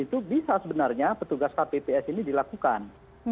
itu bisa sebenarnya petugas kpps ini dilakukan